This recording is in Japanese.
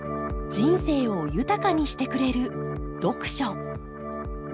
人生を豊かにしてくれる読書。